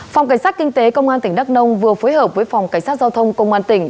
phòng cảnh sát kinh tế công an tỉnh đắk nông vừa phối hợp với phòng cảnh sát giao thông công an tỉnh